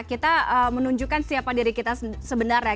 kita menunjukkan siapa diri kita sebenarnya